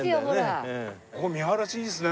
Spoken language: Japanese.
ここ見晴らしいいですね。